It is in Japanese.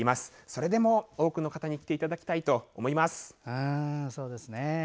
それでも多くの方に来ていただきたいと思います。